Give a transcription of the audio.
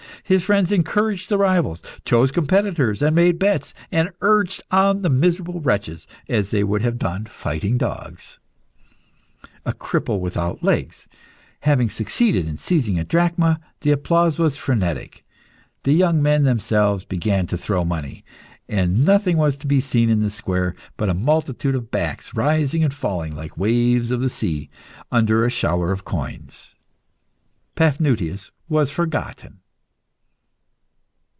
His friends encouraged the rivals, chose competitors, and made bets, and urged on the miserable wretches as they would have done fighting dogs. A cripple without legs having succeeded in seizing a drachma, the applause was frenetic. The young men themselves began to throw money, and nothing was to be seen in the square but a multitude of backs, rising and falling like waves of the sea, under a shower of coins. Paphnutius was forgotten.